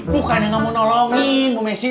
bukan yang gak mau nolongin bu messi